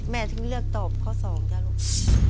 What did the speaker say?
แม่ถึงเลือกตอบข้อ๒ตราโลก